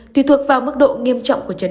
tùy thuộc vào mức độ nghiêm trọng của khứ giác